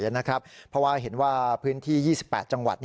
เพราะว่าเห็นว่าพื้นที่๒๘จังหวัด